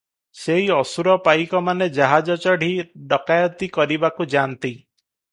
ସେଇ ଅସୁର ପାଇକମାନେ ଜାହାଜ ଚଢ଼ି ଡକାଏତି କରିବାକୁ ଯାନ୍ତି ।"